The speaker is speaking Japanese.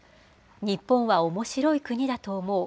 日本はおもしろい国だと思う。